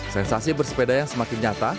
sensasi bersepeda yang semakin nyata